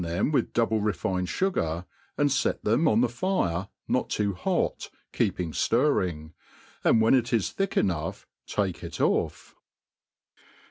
them with doubjc rcfined fugar, and fet theoi on the fire, not too hot, keeping ftirring j and when H is thick enough, take it off.